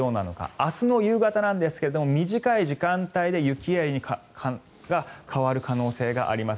明日の夕方なんですが短い時間帯で雪エリアが変わる可能性があります。